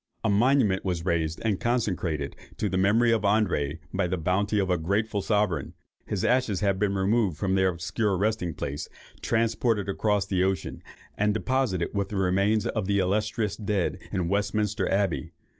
A monument was raised and consecrated to the memory of André by the bounty of a grateful sovereign. His ashes have been removed from their obscure resting place, transported across the ocean, and deposited with the remains of the illustrious dead in Westminster Abbey.